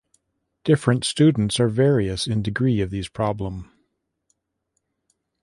Different students are various in degree of these problem.